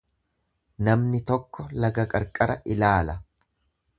Namni tokko laga qarqara ilaala.